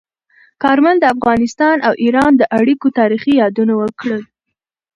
کارمل د افغانستان او ایران د اړیکو تاریخي یادونه وکړه.